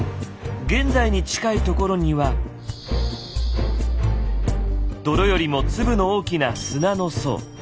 現在に近いところには泥よりも粒の大きな砂の層。